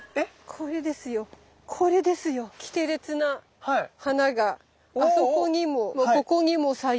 これですよこれですよ。キテレツな花があそこにもここにも咲いている。